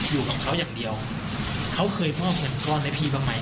อยู่กับเขาอย่างเดียวเขาเคยมอบเงินก้อนให้พี่บ้างไหม